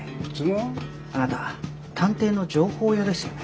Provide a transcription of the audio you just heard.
あなた探偵の情報屋ですよね？